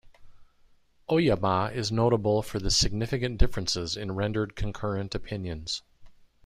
"Oyama" is notable for the significant differences in rendered concurrent opinions.